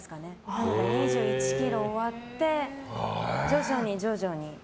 なので２１ｋｍ終わって徐々に徐々に。